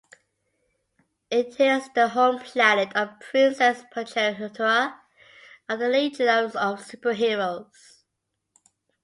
It is the home planet of Princess Projectra of the Legion of Super-Heroes.